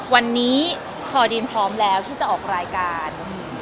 วันนี้คอดีมพร้อมแล้วที่จะออกรายการ